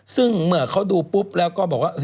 ซึ่งเมื่อเขาดูปุ๊บแล้วก็บอกว่า